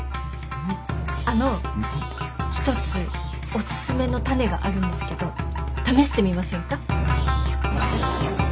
あの一つおすすめのタネがあるんですけど試してみませんか？